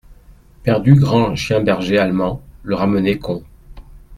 Perdu grand chien berger allemand, le ramener con.